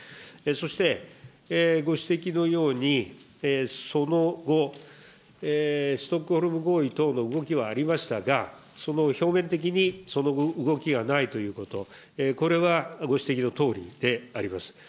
そしてご指摘のように、その後、ストックホルム合意等の動きはありましたが、その表面的にその動きがないということ、これは、ご指摘のとおりであります。